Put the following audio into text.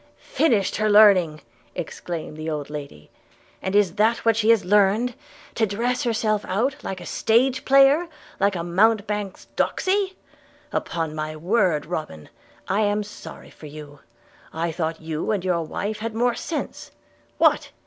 'Finished her learning!' exclaimed the old lady; 'and is that what she has learned, to dress herself out like a stage player, like a mountebank's doxy? Upon my word, Robin, I am sorry for you. I thought you and your wife had more sense. What!